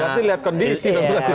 berarti lihat kondisi